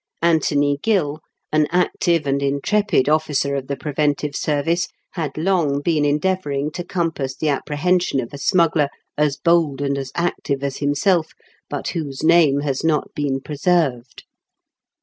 Anthony Gill, an active and intrepid officer of the preventive service, had long been endeavouring to compass the apprehension of a smuggler as bold and as active as himself, but whose name has not been preserved.